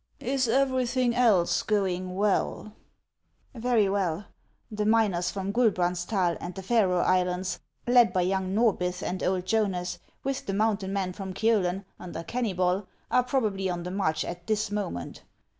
" Is everything else going well ?"" Very well. The miners from Guldsbrandsdal and the Faroe Islands, led by young Xorbith and old Jonas, with the mountain men from Kiolen, under Kennybol, are probably on the march at this moment.